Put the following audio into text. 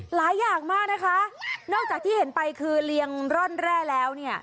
หลายอย่างมากนะคะนอกจากที่เห็นไปคือเรียงร่อนแร่แล้วเนี่ย